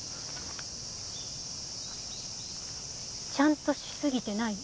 ちゃんとし過ぎてない？